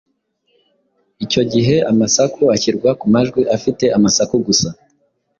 Icyo gihe amasaku ashyirwa ku majwi afite amasaku gusa